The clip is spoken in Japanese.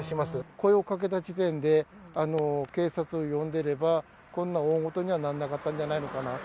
声をかけた時点で、警察を呼んでれば、こんな大ごとにはならなかったのじゃないのかな。